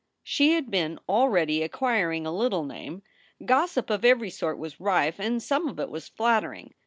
She had been already acquiring a little name. Gossip of every sort was rife, and some of it was flattering.